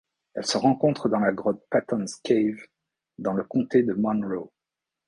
Elle se rencontre dans la grotte Patton's Cave dans le comté de Monroe.